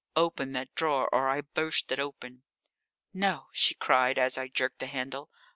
"Open that drawer or I burst it open." "No," she cried, as I jerked the handle.